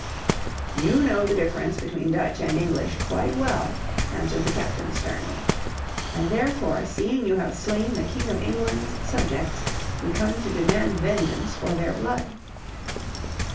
"You know the difference between Dutch and English quite well," answered the captain sternly. "And therefore seeing you have slain the King of England's subjects, we come to demand vengeance for their blood."